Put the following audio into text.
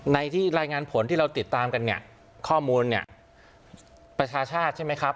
ในที่รายงานผลที่เราติดตามกันเนี่ยข้อมูลเนี่ยประชาชาติใช่ไหมครับ